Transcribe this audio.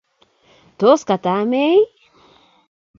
tos katameei